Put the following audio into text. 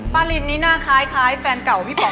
ลินนี่หน้าคล้ายแฟนเก่าพี่ป๋อ